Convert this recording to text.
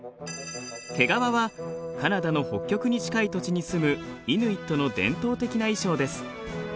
毛皮はカナダの北極に近い土地に住むイヌイットの伝統的な衣装です。